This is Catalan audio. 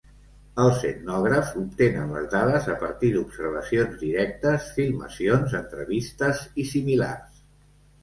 Els etnògrafs obtenen les dades a partir d'observacions directes, filmacions, entrevistes i similars.